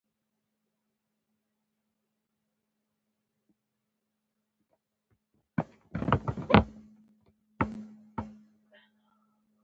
دا د بشري تنوع برعکس عمل دی.